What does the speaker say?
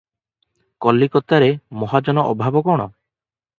କଲିକତାରେ ମହାଜନ ଅଭାବ କଣ?